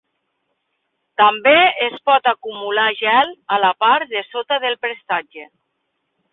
També es pot acumular gel a la part de sota del prestatge.